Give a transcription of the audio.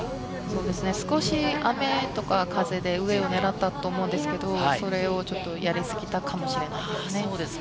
少し雨とか風で上を狙ったと思うんですけれど、それをちょっとやりすぎたかもしれないですね。